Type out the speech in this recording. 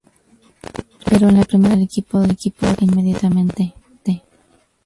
Pero en la Primera División el equipo desciende inmediatamente.